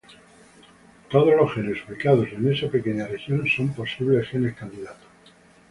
Todos los genes ubicados en esa pequeña región son posibles genes candidatos.